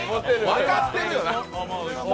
分かってるよな。